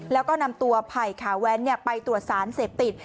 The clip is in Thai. แล้วก็นำตัวไผ่ขาแว้นไปตรวจสารเสพติด